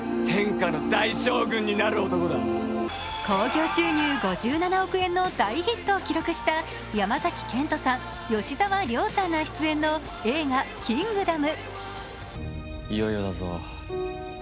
興行収入５７億円の大ヒットを記録した山崎賢人さん、吉沢亮さんが出演の映画「キングダム」